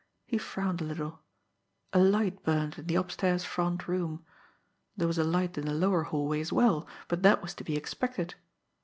He frowned a little. A light burned in the upstairs front room. There was a light in the lower hallway as well, but that was to be expected.